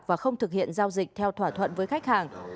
và không thực hiện giao dịch theo thỏa thuận với khách hàng